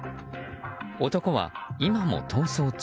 男は、今も逃走中。